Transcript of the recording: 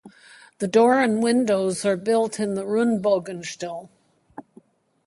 The door and windows are built in the Rundbogenstil.